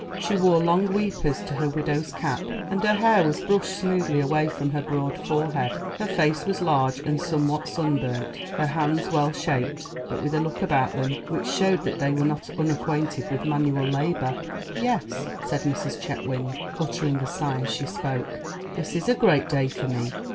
She wore long weepers to her widow's cap, and her hair was brushed smoothly away from her broad forehead. Her face was large and somewhat sunburnt, her hands well shaped, but with a look about them which showed that they were not unacquainted with manual labor. "Yes," said Mrs. Chetwynd, uttering a sigh as she spoke, "this is a great day for me.